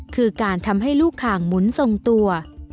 คือการทำให้ลูกข่างหมุนทรงตัว